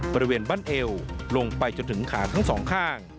บริเวณบ้านเอวลงไปจนถึงขาทั้งสองข้าง